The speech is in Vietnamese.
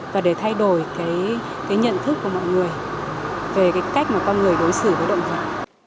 và để thay đổi cái nhận thức của mọi người về cái cách mà con người đối xử với động vật